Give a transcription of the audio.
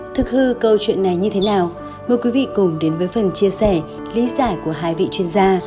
thực hư câu chuyện này như thế nào mời quý vị cùng đến với phần chia sẻ lý giải của hai vị chuyên gia